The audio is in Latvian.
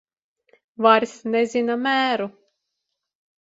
Vairs nezina mēru.